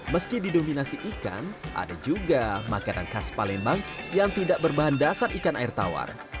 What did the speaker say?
meski didominasi ikan ada juga makanan khas palembang yang tidak berbahan dasar ikan air tawar